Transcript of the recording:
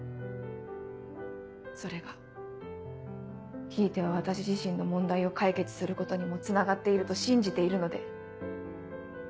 それがひいては私自身の問題を解決することにもつながっていると信じているので。